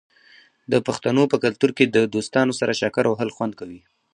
د پښتنو په کلتور کې د دوستانو سره چکر وهل خوند کوي.